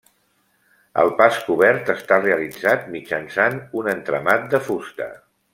El pas cobert està realitzat mitjançant un entramat de fusta.